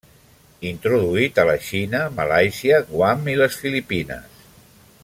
Introduït a la Xina, Malàisia, Guam i les Filipines.